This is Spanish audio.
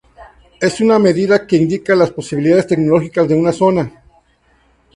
Es una medida que indica las posibilidades tecnológicas de una zona.